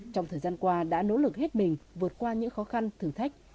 trong thời gian qua đã nỗ lực hết mình vượt qua những khó khăn thử thách